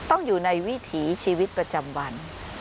ต้องอยู่ในวิถีชีวิตประจำวัน